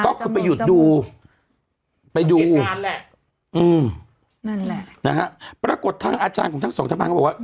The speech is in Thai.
ก็คือไปหยุดดูไปดูนั่นแหละอืมนั่นแหละนะฮะปรากฏทางอาจารย์ของทั้งสองท่านก็บอกว่า